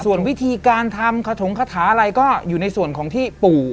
ส่วนวิธีการทำหนังกระท้งฆาตอะไรก็อยู่ในส่วนของที่ปู่